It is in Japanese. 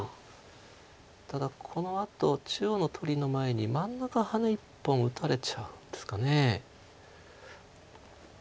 ただこのあと中央の取りの前に真ん中ハネ１本打たれちゃうんですか。